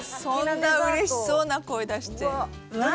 そんな嬉しそうな声出して。